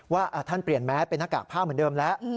ว่าท่านเปลี่ยนแมสเป็นหน้ากากผ้าเหมือนเดิมแล้ว